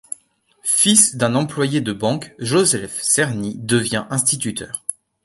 Fils d'un employé de banque, Joseph Cerny devient instituteur.